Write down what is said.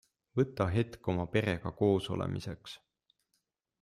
Võta hetk oma perega koosolemiseks.